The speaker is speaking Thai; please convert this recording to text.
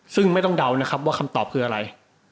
ซึ่งไม่ต้องเดานะครับว่าคำตอบคืออะไร